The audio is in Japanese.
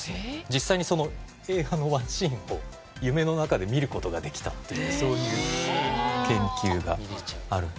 実際にその映画のワンシーンを夢の中で見る事ができたっていうそういう研究がある。